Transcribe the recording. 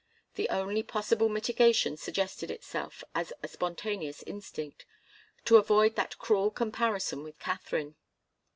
The only possible mitigation suggested itself as a spontaneous instinct to avoid that cruel comparison with Katharine.